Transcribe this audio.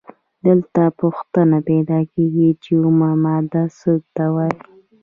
دلته پوښتنه پیدا کیږي چې اومه ماده څه ته وايي؟